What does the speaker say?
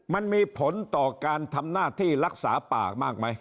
มันมีผลต่อการทำหน้าที่รักษาปากมากไหม